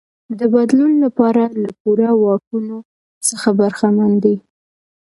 د بدلون لپاره له پوره واکونو څخه برخمن دی.